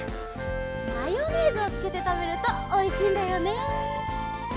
マヨネーズをつけてたべるとおいしいんだよね。